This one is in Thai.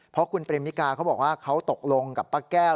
เพราะคุณปริมมิกาเขาบอกว่าเขาตกลงกับป้าแก้ว